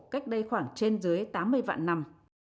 cách đây khoảng trên dưới tám mươi vạn năm